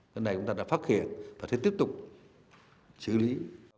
cái này chúng ta đã phát hiện và sẽ tiếp tục xử lý